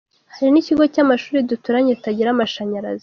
Hari n’ikigo cy’amashuri duturanye kitagira mashanyarazi”.